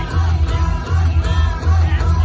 จากสะโกะมันกล่องอาโลก